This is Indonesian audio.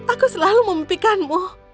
aku selalu memimpikanmu